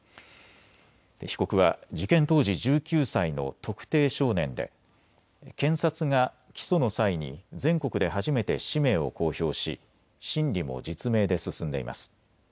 被告は事件当時１９歳の特定少年で検察が起訴の際に全国で初めて氏名を公表し審理も実名で進んでいます。